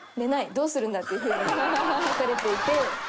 どうするんだ！」っていう風に書かれていて。